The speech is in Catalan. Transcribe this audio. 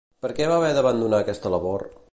Per què va haver d'abandonar aquesta labor?